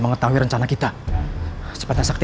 warisan tu nyuruh hati hati ke comptent ker angka